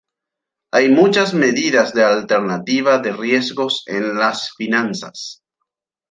Hay muchas medidas de alternativa de riesgos en las finanzas.